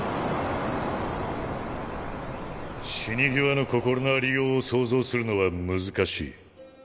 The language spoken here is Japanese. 死に際の心のありようを想像するのは難しい。